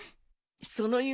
その夢